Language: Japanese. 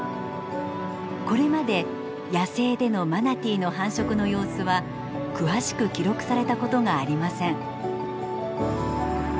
これまで野生でのマナティーの繁殖の様子は詳しく記録されたことがありません。